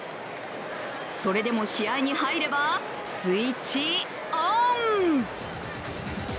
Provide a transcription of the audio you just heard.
それでも試合に入ればスイッチオン！